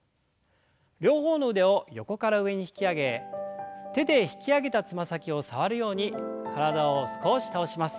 両方の腕を横から上に引き上げ手で引き上げたつま先を触るように体を少し倒します。